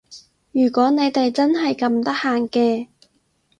如果你哋真係咁得閒嘅